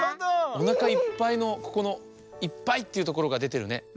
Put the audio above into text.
おなかいっぱいのここの「いっぱい」っていうところがでてるね。